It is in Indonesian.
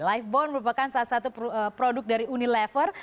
lifebon merupakan salah satu produk dari unilever